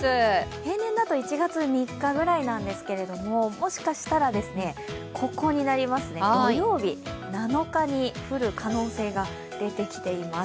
平年だと１月３日ぐらいなんですけれども、もしかしたら、ここになりますね、土曜日、７日に降る可能性が出てきています。